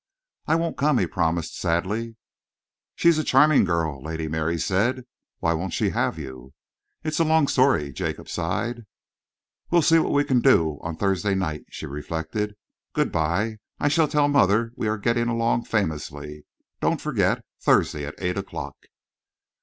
"I won't come," he promised sadly. "She's a charming girl," Lady Mary said. "Why won't she have you?" "It's a long story," Jacob sighed. "We'll see what we can do on Thursday night," she reflected. "Good by! I shall tell mother we are getting along famously. Don't forget Thursday at eight o'clock."